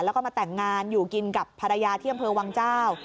แล้วก็มาแต่งงานอยู่กินกับภรรยาที่อำเภอวังเจ้า